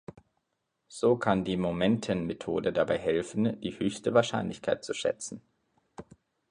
So kann die Momentenmethode dabei helfen, die höchste Wahrscheinlichkeit zu schätzen.